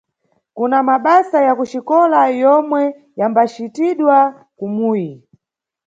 Kuna mabasa ya kuxikola yomwe yambacitidwa kumuyi.